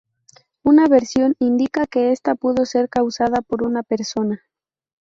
Una versión indica que esta pudo ser causada por una persona.